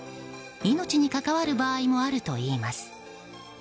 命に関わる場合もあるといいます。